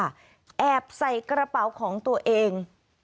แอบใส่กระเป๋าของตัวเอง